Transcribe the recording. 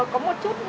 có một chút